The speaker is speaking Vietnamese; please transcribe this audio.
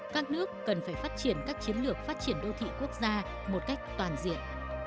các nước cần phải phát triển các chiến lược phát triển đô thị quốc gia một cách toàn diện